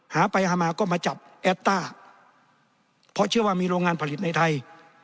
หาไปหามาก็มาจับแอดต้าเพราะเชื่อว่ามีโรงงานผลิตในไทย